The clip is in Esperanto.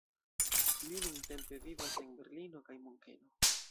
Li nuntempe vivas en Berlino kaj Munkeno.